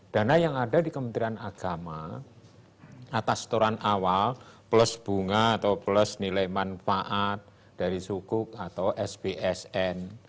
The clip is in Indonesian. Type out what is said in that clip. dana yang ada di kementerian agama atas setoran awal plus bunga atau plus nilai manfaat dari sukuk atau spsn